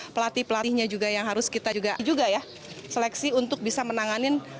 pelatih pelatihnya juga yang harus kita juga ya seleksi untuk bisa menanganin